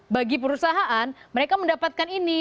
bagi perusahaan mereka mendapatkan ini